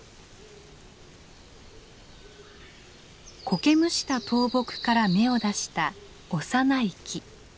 こけむした倒木から芽を出した幼い木。